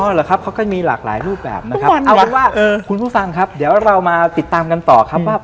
เหรอครับเขาก็มีหลากหลายรูปแบบนะครับเอาเป็นว่าคุณผู้ฟังครับเดี๋ยวเรามาติดตามกันต่อครับว่า